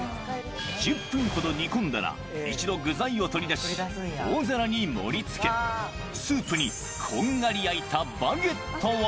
１０分ほど煮込んだら、一度、具材を取り出し、大皿に盛りつけ、スープにこんがり焼いたバゲットを。